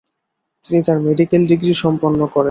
তিনি তার medical degree সম্পন্ন করেন।